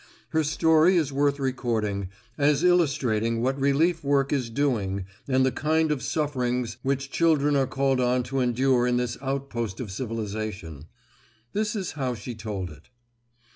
Her story is worth recording, as illustrating what relief work is doing and the kind of sufferings which children are called on to endure in this outpost of civilization. This is how she told it.